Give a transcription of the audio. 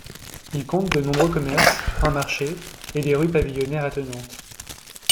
Il compte de nombreux commerces, un marché et des rues pavillonnaires attenantes.